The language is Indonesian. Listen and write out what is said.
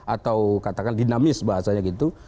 atau katakan dinamis bahasanya gitu